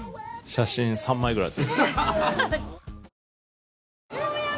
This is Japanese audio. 写真３枚ぐらい。